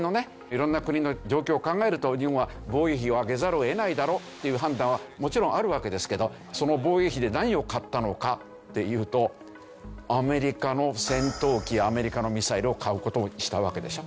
色んな国の状況を考えると日本は防衛費を上げざるを得ないだろっていう判断はもちろんあるわけですけどその防衛費で何を買ったのかっていうと。を買う事にしたわけでしょ。